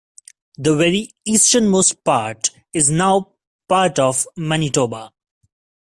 The very easternmost part is now part of Manitoba.